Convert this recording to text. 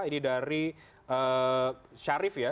ini dari syarif ya